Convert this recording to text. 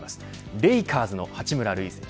レイカーズの八村塁選手